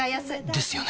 ですよね